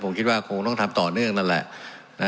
ผมคิดว่าคงต้องทำต่อเนื่องนั่นแหละ